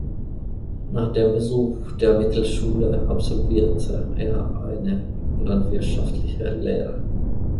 Nach dem Besuch der Mittelschule absolvierte er eine landwirtschaftliche Lehre.